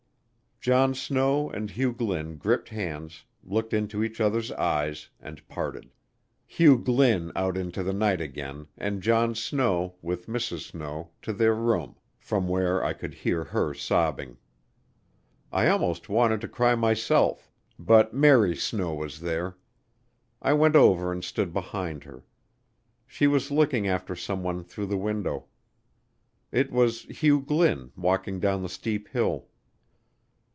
John Snow and Hugh Glynn gripped hands, looked into each other's eyes, and parted Hugh Glynn out into the night again and John Snow, with Mrs. Snow, to their room, from where I could hear her sobbing. I almost wanted to cry myself, but Mary Snow was there. I went over and stood behind her. She was looking after some one through the window. It was Hugh Glynn walking down the steep hill.